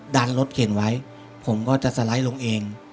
ดันรถเข็นไว้ผมก็จะสไลด์ลงเอง